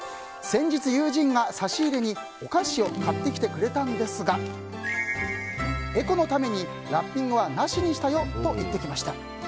先日、友人が差し入れにお菓子を買ってきてくれたんですがエコのためにラッピングはなしにしたよと言ってきました。